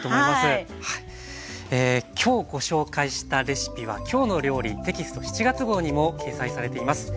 今日ご紹介したレシピは「きょうの料理」テキスト７月号にも掲載されています。